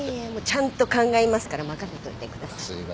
ちゃんと考えますから任せといてください。